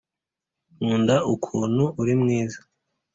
nkunda ukuntu uri mwiza.